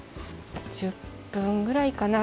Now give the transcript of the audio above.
１０分ぐらいかな。